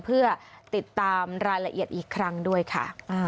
เพื่อติดตามรายละเอียดอีกครั้งด้วยค่ะ